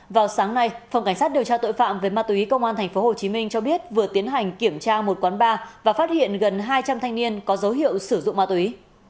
vào sáng nay phòng cảnh sát điều tra tội phạm về ma túy công an tp hcm cho biết vừa tiến hành kiểm tra một quán bar và phát hiện gần hai trăm linh thanh niên có dấu hiệu sử dụng ma túy